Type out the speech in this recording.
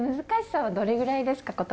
難しさはどれくらいですか？